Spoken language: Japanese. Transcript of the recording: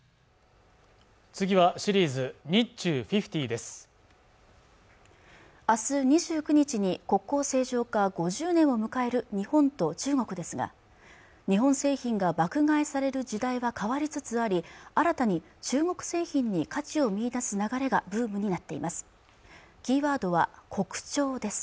次はシリーズ日中５０です明日２９日に国交正常化５０年を迎える日本と中国ですが日本製品が爆買いされる時代は変わりつつあり新たに中国製品に価値を見出す流れがブームになっています